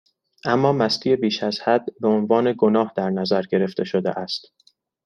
اما مستی بیشازحد، بهعنوان گناه در نظر گرفته شده است